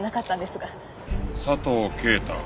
佐藤啓太。